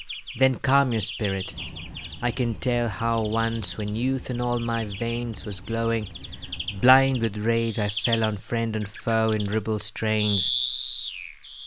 Then calm your spirit; I can tell How once, when youth in all my veins Was glowing, blind with rage, I fell On friend and foe in ribald strains.